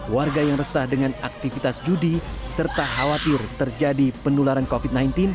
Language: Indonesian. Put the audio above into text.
warga yang resah dengan aktivitas judi serta khawatir terjadi penularan covid sembilan belas